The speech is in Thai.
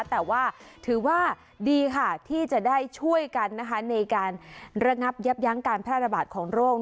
แต่ว่าถือว่าดีค่ะที่จะได้ช่วยกันนะคะในการเริ่มงับเย็บยั้งการพรรณบาตรของโลก